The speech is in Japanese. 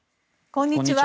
こんにちは。